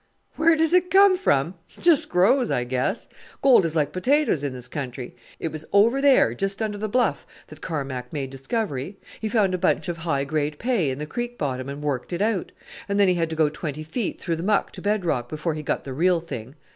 "Where does it come from? just grows, I guess. Gold is like potatoes in this country. It was over there, just under the bluff, that Carmack made discovery. He found a bunch of high grade pay in the creek bottom and worked it out; and then he had to go twenty feet through the muck to bed rock before he got the real thing.